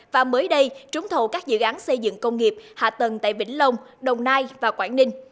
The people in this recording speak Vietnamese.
và mới đây trúng thầu các dự án xây dựng công nghiệp hạ tầng tại vĩnh long đồng nai và quảng ninh